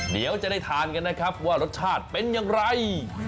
เดี๋ยวจะได้ทานกันนะครับว่ารสชาติเป็นอย่างไร